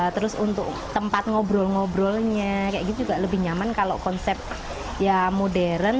terus untuk tempat ngobrol ngobrolnya lebih nyaman kalau konsep modern